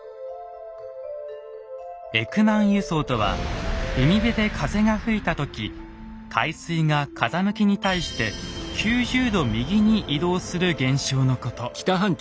エクマン輸送とは海辺で風が吹いた時海水が風向きに対して９０度右に移動する現象のこと。